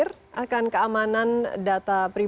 yang sudah menerima program bantuan kuota data internet ini